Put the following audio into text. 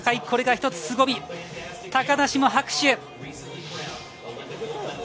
これが一つすごみ、高梨も拍手。